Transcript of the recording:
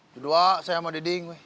duduk wak saya sama deding